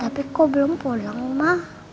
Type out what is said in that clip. tapi kok belum pulang ma